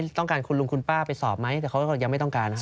แต่ต้องการคุณลุงคุณป้าไปสอบไหม